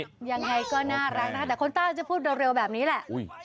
ยังไงก็น่ารักนะคะแต่คนใต้จะพูดเร็วแบบนี้แหละ